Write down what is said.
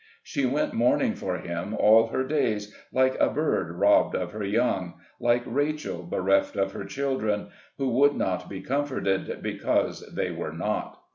She went mourn ing for him all her days, like a bird robbed of her young — like Rachel bereft of her children, who would not be comforted, because they were not.